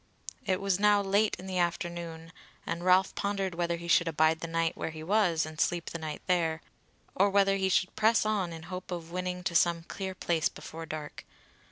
It was now late in the afternoon, and Ralph pondered whether he should abide the night where he was and sleep the night there, or whether he should press on in hope of winning to some clear place before dark.